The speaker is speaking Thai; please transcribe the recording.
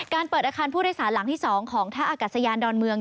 เปิดอาคารผู้โดยสารหลังที่๒ของท่าอากาศยานดอนเมือง